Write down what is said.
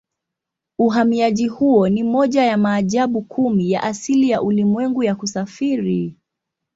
Uhamiaji huo ni moja ya maajabu kumi ya asili ya ulimwengu ya kusafiri.